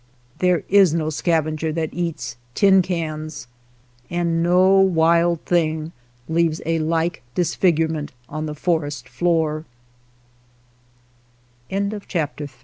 There is no scavenger that eats tin cans, and no wild thing leaves a like disfigurement on the forest floo